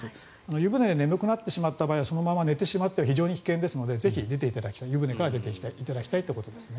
湯船で眠くなってしまった場合はそのまま寝てしまうと非常に危険ですのでぜひ湯船から出ていただきたいということですね。